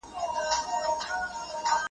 پلار په دوی او دوی په پلار هوسېدلې `